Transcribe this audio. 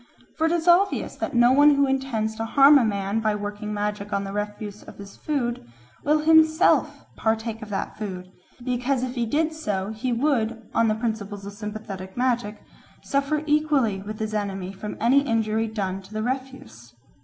For it is obvious that no one who intends to harm a man by working magic on the refuse of his food will himself partake of that food, because if he did so he would, on the principles of sympathetic magic, suffer equally with his enemy from any injury done to the refuse.